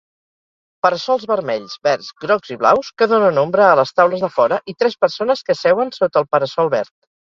Para-sols vermells, verds, grocs i blaus que donen ombra a les taules de fora i tres persones que seuen sota el para-sol verd